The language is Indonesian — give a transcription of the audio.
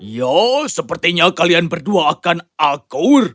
ya sepertinya kalian berdua akan akur